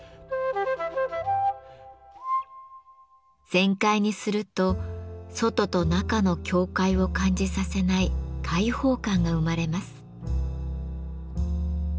全開にすると外と中の境界を感じさせない開放感が生まれます。